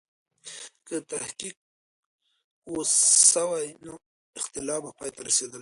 که تحقیق و سوای، نو اختلاف به پای ته رسېدلی وای.